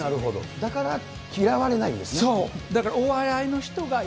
だから嫌われないんですね。